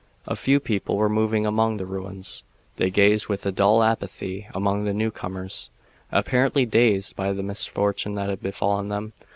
A few people were moving among the ruins. They gazed with a dull apathy upon the new comers, apparently dazed by the misfortune that had befallen them.